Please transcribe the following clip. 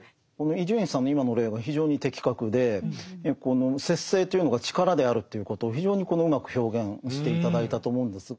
伊集院さんの今の例は非常に的確でこの節制というのが力であるということを非常にうまく表現して頂いたと思うんです。